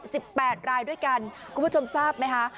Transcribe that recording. แปดรายด้วยกันคุณผู้ชมทราบไหมคะ